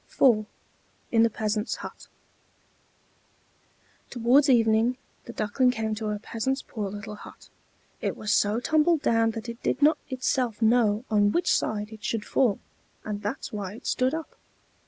IV IN THE PEASANT'S HUT Towards evening the Duckling came to a peasant's poor little hut: it was so tumbled down that it did not itself know on which side it should fall; and that's why it stood up.